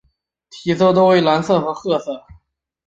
体色多为蓝色和褐色。